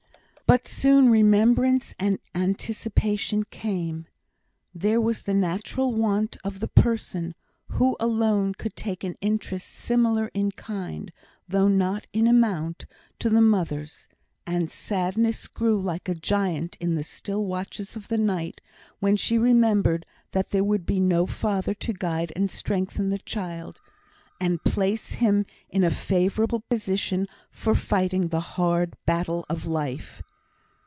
But soon remembrance and anticipation came. There was the natural want of the person, who alone could take an interest similar in kind, though not in amount, to the mother's. And sadness grew like a giant in the still watches of the night, when she remembered that there would be no father to guide and strengthen the child, and place him in a favourable position for fighting the hard "Battle of Life."